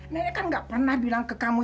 nenek kan gak pernah bilang ke kamu